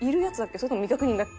それとも未確認だっけ？」